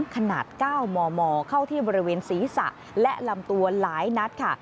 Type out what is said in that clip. ขนาด๙มมเข้าที่บริเวณศีรษะและลำตัวหลายนัดค่ะ